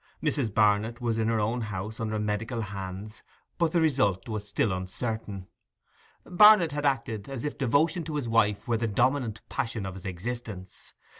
Mrs. Barnet was in her own house under medical hands, but the result was still uncertain. Barnet had acted as if devotion to his wife were the dominant passion of his existence.